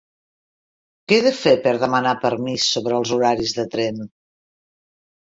Què he de fer per demanar permís sobre els horaris de tren?